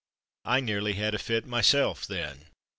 I nearly had a fit myself then.